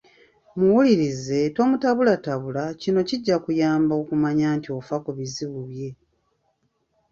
Muwulirize, tomutabulatabula. Kino kijja kumuyamba okumanya nti ofa ku bizibu bye.